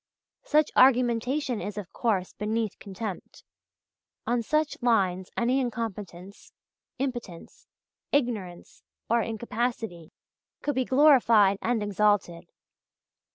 Such argumentation is, of course, beneath contempt. On such lines any incompetence, impotence, ignorance, or incapacity, could be glorified and exalted.